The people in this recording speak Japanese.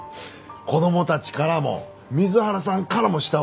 子供たちからも水原さんからも慕われてるし。